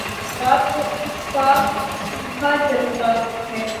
رات کو اس کا چولہا جلتا ہے